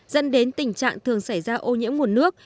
dẫn đến tình trạng thường xảy ra ô nhiễm nguồn nước